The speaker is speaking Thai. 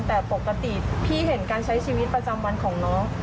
แต่ปกติพี่เห็นการใช้ชีวิตประจำวันของน้อง